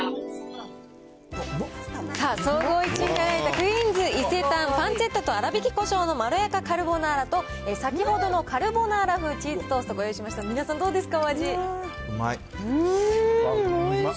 総合１位に輝いたクイーンズ伊勢丹、パンチェッタと粗挽きこしょうのまろやかカルボナーラと、先ほどのカルボナーラ風チーズトースト、ご用意しました、皆さん、どううまい。